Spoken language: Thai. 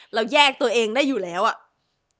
เราแยกตัวเองได้อยู่แล้วอ่ะ